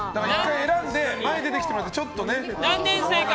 選んで、前に出てきてもらってちょっとね。